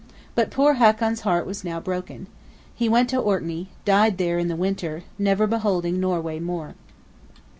But poor Hakon's heart was now broken. He went to Orkney; died there in the winter; never beholding Norway more.